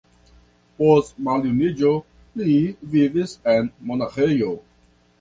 Post maljuniĝo li vivis en monaĥejo.